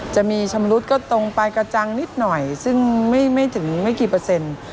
จะมีชำรุดก็ตรงปลายกระจังนิดหน่อยซึ่งไม่ถึงไม่กี่เปอร์เซ็นต์